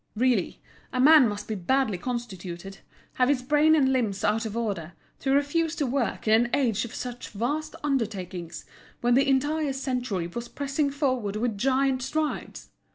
Really, a man must be badly constituted, have his brain and limbs out of order, to refuse to work in an age of such vast undertakings, when the entire century was pressing forward with giant strides.